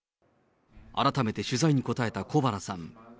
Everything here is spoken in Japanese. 改めて取材にこたえた小原さん。